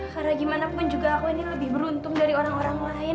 karena gimana pun juga aku ini lebih beruntung dari orang orang lain